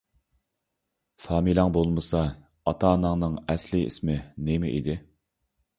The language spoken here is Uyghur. فامىلەڭ بولمىسا، ئاتا - ئاناڭنىڭ ئەسلىي ئىسمى نېمە ئىدى؟